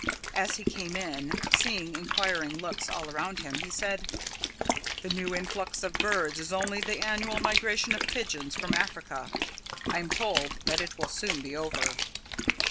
As he came in, seeing inquiring looks all around him, he said: "The new influx of birds is only the annual migration of pigeons from Africa. I am told that it will soon be over."